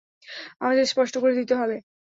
আমাদের স্পষ্ট করে দিতে হবে।